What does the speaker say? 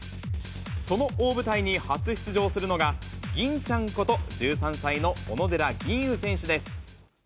その大舞台に初出場するのが、吟ちゃんこと１３歳の小野寺吟雲選手です。